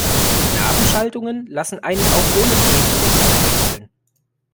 Nabenschaltungen lassen einen auch ohne Treten den Gang wechseln.